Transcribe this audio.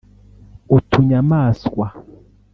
utunyamaswa